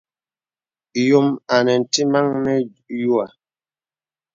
Yōm anə ntìməŋ nə yuhə̀.